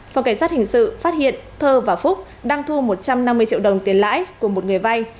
phòng cảnh sát hình sự phát hiện thơ và phúc đang thu một trăm năm mươi triệu đồng tiền lãi của một người vay